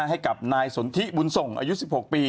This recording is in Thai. ให้กับนายสนทิบุญส่งอายุ๑๖ปี